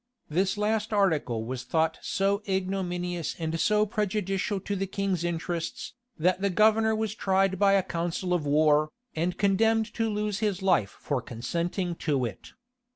This last article was thought so ignominious and so prejudicial to the king's interests, that the governor was tried by a council of war, and condemned to lose his life for consenting to it.